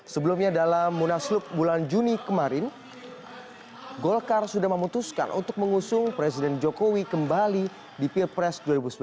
sebelumnya dalam munaslup bulan juni kemarin golkar sudah memutuskan untuk mengusung presiden jokowi kembali di pilpres dua ribu sembilan belas